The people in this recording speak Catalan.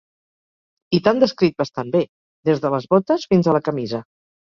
i t'han descrit bastant bé, des de les botes fins a la camisa.